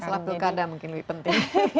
masalah belakang mungkin lebih penting